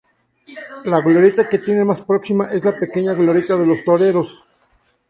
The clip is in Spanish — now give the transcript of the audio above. La glorieta que tiene más próxima es la pequeña glorieta de los Toreros.